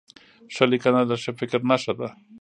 ښه لیکنه د ښه فکر نښه ده.